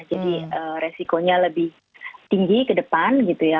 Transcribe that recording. resikonya lebih tinggi ke depan gitu ya